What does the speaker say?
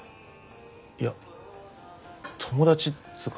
いや友達っつうか。